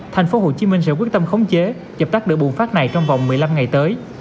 thành phố hồ chí minh sẽ quyết tâm khống chế dập tắt đợi bùng phát này trong vòng một mươi năm ngày tới